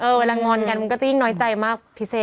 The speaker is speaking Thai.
เวลางอนกันมันก็จะยิ่งน้อยใจมากพิเศษ